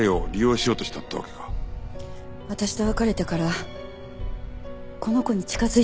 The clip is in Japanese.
私と別れてからこの子に近づいてきて。